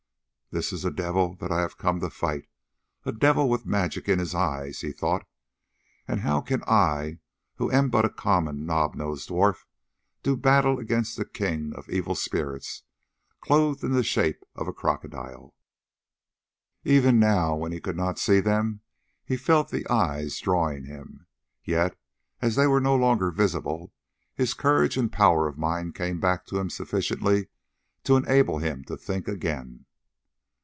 "This is a devil that I have come to fight, a devil with magic in his eyes," he thought. "And how can I, who am but a common Knobnose dwarf, do battle against the king of evil spirits, clothed in the shape of a crocodile?" Even now, when he could not see them, he felt the eyes drawing him. Yet, as they were no longer visible, his courage and power of mind came back to him sufficiently to enable him to think again.